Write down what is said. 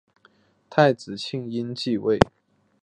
太子庆膺继位。